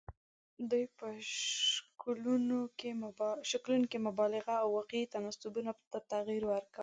دوی په شکلونو کې مبالغه او واقعي تناسبونو ته تغیر ورکول.